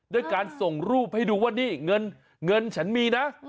ด้วยการส่งรูปให้ดูว่านี่เงินฉันมีนะ